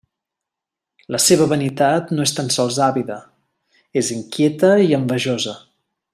La seva vanitat no és tan sols àvida, és inquieta i envejosa.